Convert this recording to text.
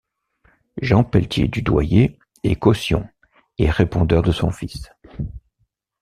Jean Peltier Dudoyer est caution et répondeur de son fils.